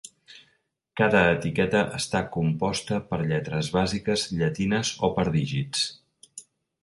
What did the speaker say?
Cada etiqueta està composta per lletres bàsiques llatines o per dígits.